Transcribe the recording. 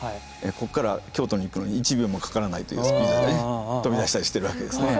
ここから京都に行くのに１秒もかからないというスピードで飛び出したりしてるわけですね。